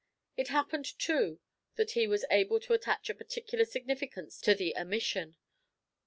It happened, too, that he was able to attach a particular significance to the omission.